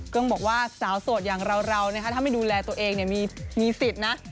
เกิ้งบอกว่าสาวสดอย่างราวนะฮะถ้าไม่ดูแลตัวเองเนี่ยมีสิทธิ์นะ